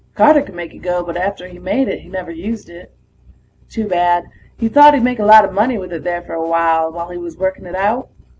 Carter could make it go, but after he made it he never used it. Too bad; he thought he'd make a lot of money with it there for awhile, while he was working it out.